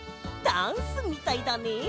ダンスみたいだね！